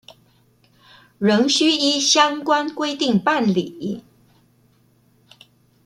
仍須依相關規定辦理